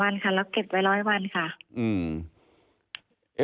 วันค่ะเราเก็บไว้ร้อยวันค่ะ